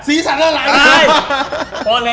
ศีรษรรค์คะรี่ไง